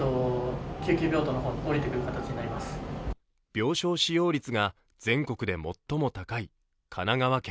病床使用率が全国で最も高い神奈川県。